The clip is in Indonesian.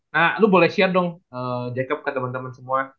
nah lu boleh share dong jacob ke temen temen semua